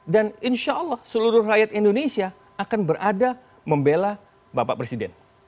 dan insya allah seluruh rakyat indonesia akan berada membela bapak presiden